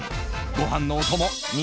ご飯のお供